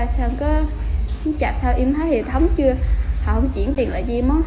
xong rồi em chạp sau em thấy hệ thống chưa họ không chuyển tiền lại cho em đó